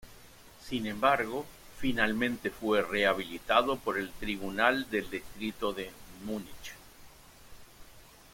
Sin embargo, finalmente fue rehabilitado por el Tribunal del Distrito de Múnich.